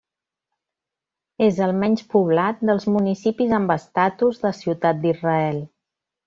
És el menys poblat dels municipis amb estatus de ciutat d'Israel.